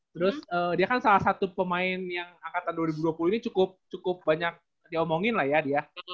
terus dia kan salah satu pemain yang angkatan dua ribu dua puluh ini cukup banyak diomongin lah ya dia